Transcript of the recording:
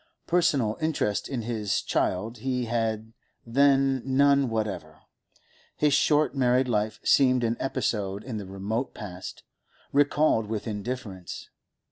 Personal interest in his child he had then none whatever; his short married life seemed an episode in the remote past, recalled with indifference.